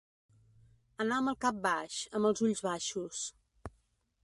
Anar amb el cap baix, amb els ulls baixos.